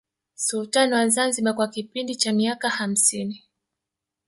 Sultani wa Zanzibar kwa kipindi cha miaka hamsini